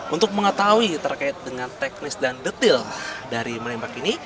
untuk mengetahui terkait dengan teknis dan detail dari menembak ini